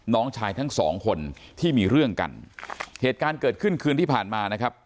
น้องชายทั้งสองคนที่มีเรื่องกันเหตุการณ์เกิดขึ้นคืนที่ผ่านมานะครับ